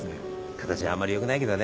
形はあんまり良くないけどね。